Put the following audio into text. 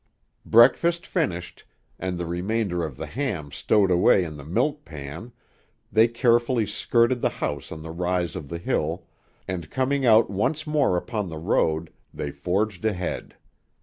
Breakfast finished, and the remainder of the ham stowed away in the milk pan, they carefully skirted the house on the rise of the hill, and coming out once more upon the road, they forged ahead.